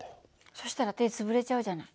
そしたら手潰れちゃうじゃない。